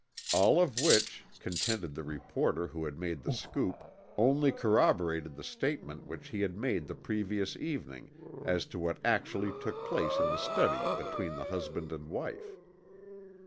All of which, contended the reporter who had made the scoop, only corroborated the statement which he had made the previous evening as to what actually took place in the study between the husband and wife.